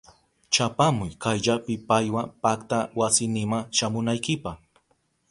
Chapamuy kayllapi paywa pakta wasinima shamunaykipa.